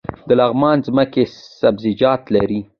د لغمان ځمکې سبزیجات لري